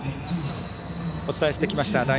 お伝えしてきました